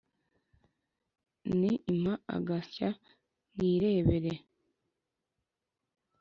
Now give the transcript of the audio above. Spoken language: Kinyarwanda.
ni impa agasya nirebere '